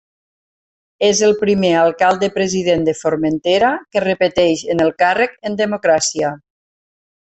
És el primer alcalde-president de Formentera que repeteix en el càrrec en democràcia.